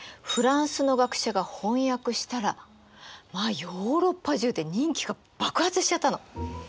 フランスの学者が翻訳したらまあヨーロッパ中で人気が爆発しちゃったの。